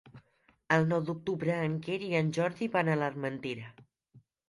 El nou d'octubre en Quer i en Jordi van a l'Armentera.